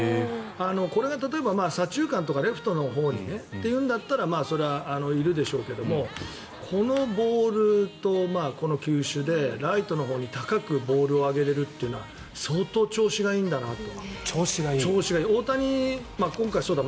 これが例えば左中間かレフトとのほうにというんだったらそれはいるでしょうけどもこのボールとこの球種でライトのほうに高くボールを上げられるというのは相当調子がいいんだと。